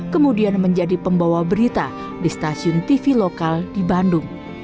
kemudian menjadi pembawa berita di stasiun tv lokal di bandung